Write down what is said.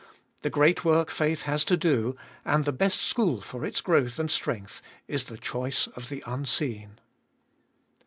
The great work faith has to do, and the best school for its growth and strength, is the choice of the unseen.